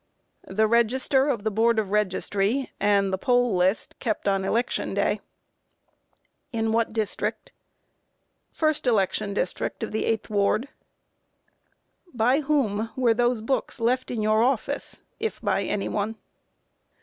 A. The register of the Board of Registry, and the poll list kept on election day. Q. In what district? A. 1st election district of the 8th Ward. Q. By whom were those books left in your office, if by any one?